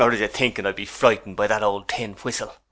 ] Or is it thinking I'd be frightened by that old tin whistle?